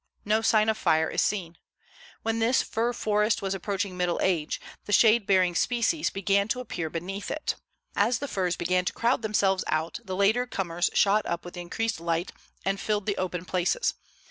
No sign of fire is seen. When this fir forest was approaching middle age, the shade bearing species began to appear beneath it. As the firs began to crowd themselves out, the later comers shot up with the increased light and filled the open places.